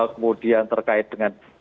kemudian terkait dengan digital